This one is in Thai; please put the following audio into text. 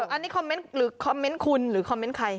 อันนี้คอมเมนต์คุณหรือคอมเมนต์ใคร